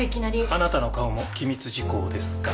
あなたの顔も機密事項ですか？